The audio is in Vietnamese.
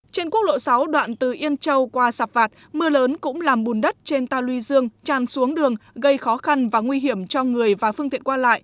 trên quốc lộ sáu đoạn từ yên châu qua sạp vạt mưa lớn cũng làm bùn đất trên ta luy dương tràn xuống đường gây khó khăn và nguy hiểm cho người và phương tiện qua lại